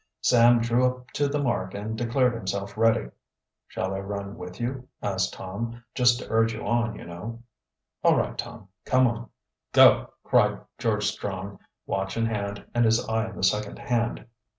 Sam drew up to the mark and declared himself ready. "Shall I run with you?" asked Tom. "Just to urge you on, you know?" "All right, Tom, come on." "Go!" cried George Strong, watch in hand and his eye on the second hand.